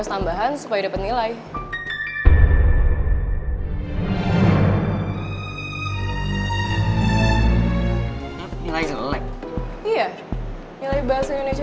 jadi gue ikutan juga